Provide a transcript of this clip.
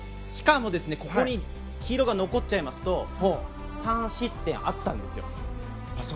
しかも、ここに黄色が残っちゃいますと３失点あったんですよ。